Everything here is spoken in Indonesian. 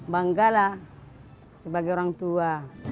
bangga lah sebagai orang tua